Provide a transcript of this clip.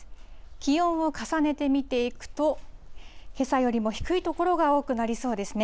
気温を重ねて見ていくと、けさよりも低い所が多くなりそうですね。